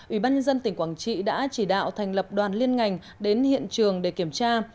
ủy ban nhân dân tỉnh quảng trị đã chỉ đạo thành lập đoàn liên ngành đến hiện trường để kiểm tra